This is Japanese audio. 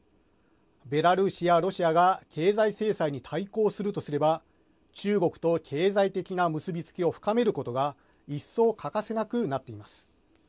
ベラルーシやロシアが経済制裁に対抗するとすれば中国と経済的な結び付きを深めることが一層欠かせなくなっています。